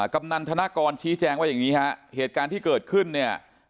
กำนันธนกรชี้แจงว่าอย่างนี้ฮะเหตุการณ์ที่เกิดขึ้นเนี่ย